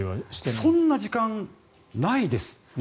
そんな時間ないです。